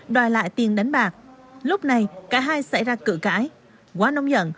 đòi lại tiền đánh bạc lúc này cả hai xảy ra cửa cãi quá nóng giận